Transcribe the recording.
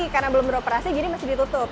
karena belum beroperasi jadi masih ditutup